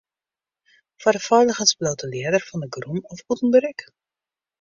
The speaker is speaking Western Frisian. Foar de feiligens bliuwt de ljedder fan 'e grûn ôf bûten berik.